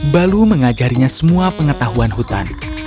balu mengajarinya semua pengetahuan hutan